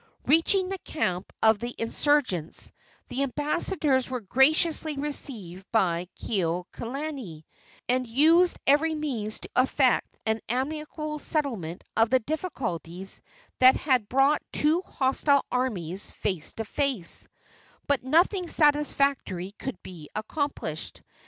Reaching the camp of the insurgents, the ambassadors were graciously received by Kekuaokalani, and used every means to effect an amicable settlement of the difficulties that had brought two hostile armies face to face; but nothing satisfactory could be accomplished.